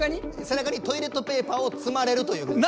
背中にトイレットペーパーをつまれるというふうに。